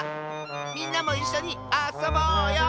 みんなもいっしょにあそぼうよ！